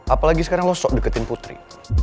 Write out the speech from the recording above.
apalagi sekarang lo sok deketin putri